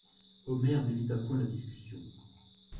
Omer n'évita point la discussion.